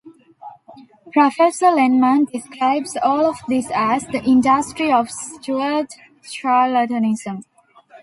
Professor Lenman describes all of this as: 'The industry of Stuart charlatanism'.